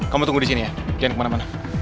kamu tunggu disini ya jangan kemana mana